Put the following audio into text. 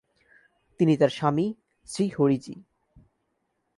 তিনি তার স্বামী, শ্রী হরিজি।